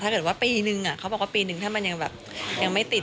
ถ้าเกิดว่าปีหนึ่งพี่หนึ่งให้มันยังไม่ติด